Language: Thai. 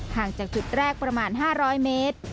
ห่างจากจุดแรกประมาณ๕๐๐เมตร